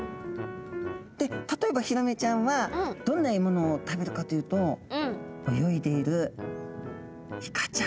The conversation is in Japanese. で例えばヒラメちゃんはどんな獲物を食べるかというと泳いでいるイカちゃん。